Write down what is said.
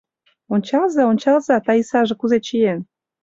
— Ончалза, ончалза, Таисаже кузе чиен!